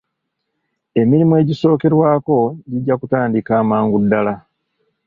Emirimu egisookerwako gijja kutandika amangu ddaala.